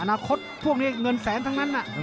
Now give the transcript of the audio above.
อนาคตพวกนี้เงินแสนทั้งนั้น